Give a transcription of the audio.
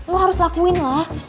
lo harus lakuin lah